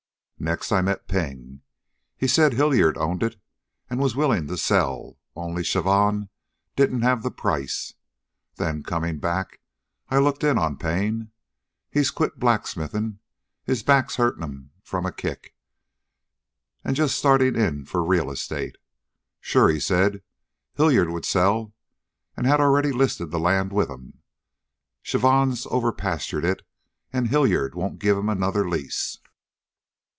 "Next I met Ping. He said Hilyard owned it an' was willin' to sell, only Chavon didn't have the price. Then, comin' back, I looked in on Payne. He's quit blacksmithin' his back's hurtin' 'm from a kick an' just startin' in for real estate. Sure, he said, Hilyard would sell, an' had already listed the land with 'm. Chavon's over pastured it, an' Hilyard won't give 'm another lease."